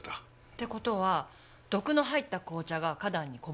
って事は毒の入った紅茶が花壇にこぼれた。